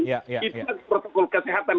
itu protokol kesehatan